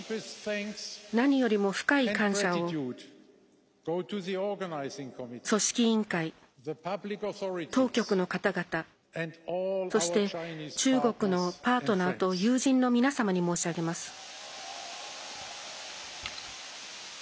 何よりも深い感謝を組織委員会、当局の方々そして、中国のパートナーと友人の皆さんに申し上げます。